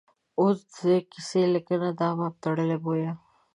اوس د کیسه لیکنې دا باب تړلی بویه.